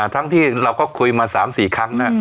ทั้งที่เราก็คุยมา๓๔ครั้ง